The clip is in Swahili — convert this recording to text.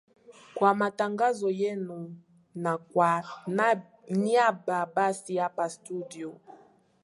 kwa matangazo yenu na kwa niaba basi hapa studio